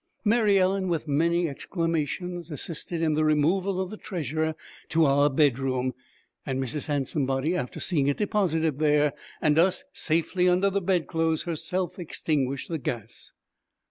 Mary Ellen, with many exclamations, assisted in the removal of the treasure to our bedroom. Mrs. Handsomebody, after seeing it deposited there, and us safely under the bedclothes, herself extinguished the gas.